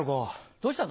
どうしたの？